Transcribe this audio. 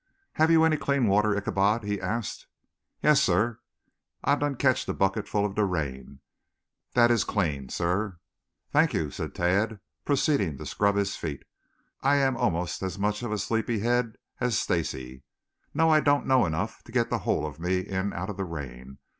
"Have you any clean water, Ichabod?" he asked. "Yes, sah. Ah done kotched a bucket full ob de rain. Dat am clean, sah." "Thank you," said Tad, proceeding to scrub his feet. "I am almost as much of a sleepy head as Stacy. No, I don't know enough to get the whole of me in out of the rain.